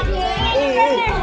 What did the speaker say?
aduh aduh aduh